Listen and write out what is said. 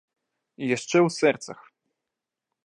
І яшчэ ў сэрцах.